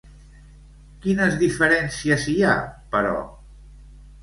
Quines diferències hi ha, però?